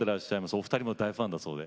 お二人も大ファンだそうで。